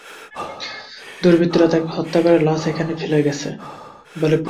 দুর্বৃত্তরা তাঁকে হত্যা করে লাশ এখানে ফেলে গেছে বলে পুলিশ ধারণা করছে।